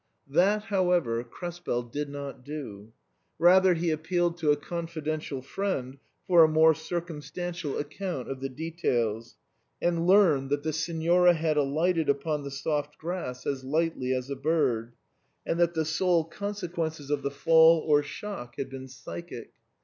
That however Krespel did not do ; rather he appealed to a confidential friend for a more circumstantial account of the details, and learned that the Signora had alighted upon the soft grass as lightly as a bird, and that the sole consequences 24 THE CREMONA VIOLIN. of the fall or shock had been psychic.